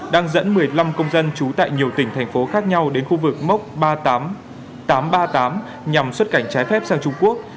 đang dẫn một mươi năm công dân trú tại nhiều tỉnh thành phố khác nhau đến khu vực mốc ba mươi tám trăm ba mươi tám nhằm xuất cảnh trái phép sang trung quốc